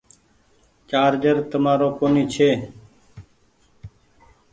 چآرجر تمآرو ڪونيٚ چي۔